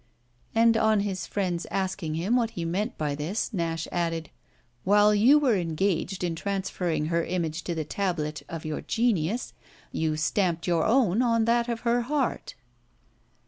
And on his friend's asking him what he meant by this Nash added: "While you were engaged in transferring her image to the tablet of your genius you stamped your own on that of her heart."